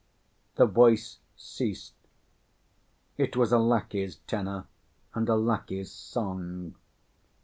The voice ceased. It was a lackey's tenor and a lackey's song.